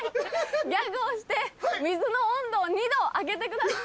ギャグをして水の温度を２℃上げてください。